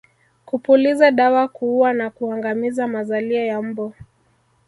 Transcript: Kupuliza dawa kuua na kuangamiza mazalia ya mbu